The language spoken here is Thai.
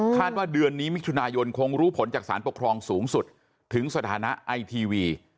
ว่าเดือนนี้มิถุนายนคงรู้ผลจากสารปกครองสูงสุดถึงสถานะไอทีวี